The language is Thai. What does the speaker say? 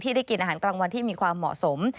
ได้กินอาหารกลางวันที่มีความเหมาะสม